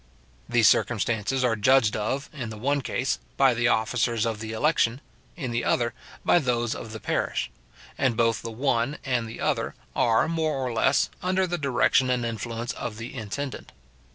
These circumstances are judged of, in the one case, by the officers of the election, in the other, by those of the parish; and both the one and the other are, more or less, under the direction and influence of the intendant.